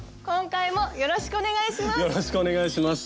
よろしくお願いします。